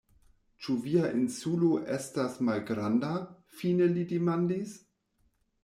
Ĉu via Insulo estas malgranda? fine li demandis.